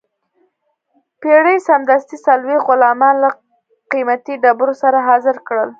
پیري سمدستي څلوېښت غلامان له قیمتي ډبرو سره حاضر کړل.